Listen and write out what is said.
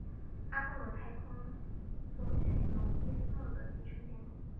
阿波罗太空梭选用诺伊斯的集成电路。